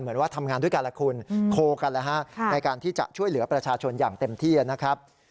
เหมือนว่าทำงานด้วยกันแหละคุณโคกันแล้วฮะในการที่จะช่วยเหลือประชาชนอย่างเต็มที่นะครับ